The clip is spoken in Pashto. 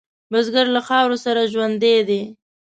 بزګر له خاورو سره ژوندی دی